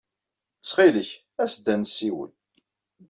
Ttxil-k, as-d ad nessiwel.